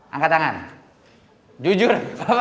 angkat tangan jujur